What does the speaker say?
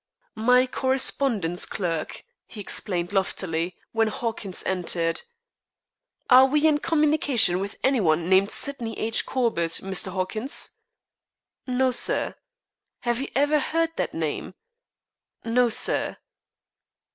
"My correspondence clerk," he explained loftily when Hawkins entered. "Are we in communication with any one named Sydney H. Corbett, Mr. Hawkins?" "No, sir." "Have you ever heard the name?" "No, sir."